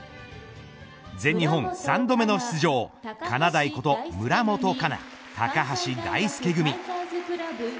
全日本３度目の出場かなだいこと村元哉中、高橋大輔組。